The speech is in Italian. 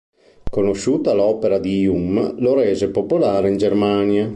Conosciuta l'opera di Hume, la rese popolare in Germania.